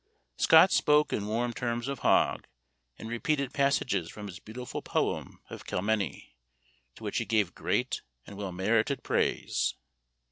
Scott spoke in warm terms of Hogg, and repeated passages from his beautiful poem of "Kelmeny," to which he gave great and well merited praise.